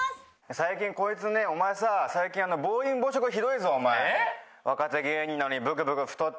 最近こいつねお前さ最近暴飲暴食ひどいぞお前えっ？